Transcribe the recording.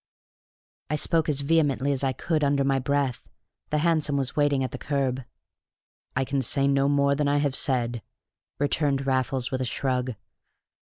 I spoke as vehemently as I could under my breath. The hansom was waiting at the curb. "I can say no more than I have said," returned Raffles with a shrug.